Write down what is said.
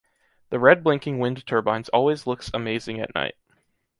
The red blinking wind turbines always looks amazing at night.